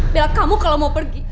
bela kamu kalau mau pergi